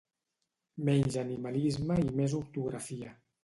Menys animalisme i més ortografia